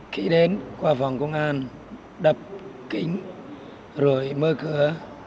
khi đến qua vòng công an đập kính rồi mơ cửa